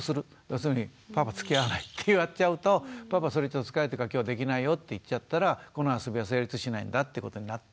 要するに「パパつきあわない」ってやっちゃうとパパそれちょっと疲れてるから今日はできないよって言っちゃったらこの遊びは成立しないんだってことになって子どもには伝わる。